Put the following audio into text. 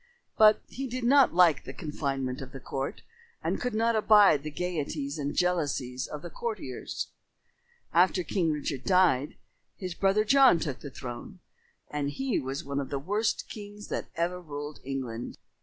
But he did not like the confinement of the court and could not abide the gaieties and jealousies of the courtiers. After King Richard died, his brother John took the throne, and he was one of the worst kings that ever ruled England.